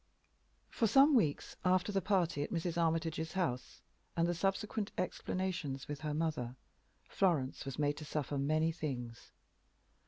For some weeks after the party at Mrs. Armitage's house, and the subsequent explanations with her mother, Florence was made to suffer many things.